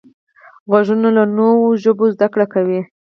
غوږونه له نوو ژبو زده کړه کوي